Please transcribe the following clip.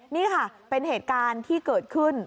นี่ค่ะเป็นเหตุการณ์ที่เกิดขึ้น